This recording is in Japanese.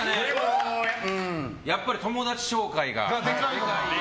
やっぱり友達紹介が。